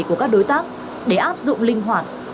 của các đối tác để áp dụng linh hoạt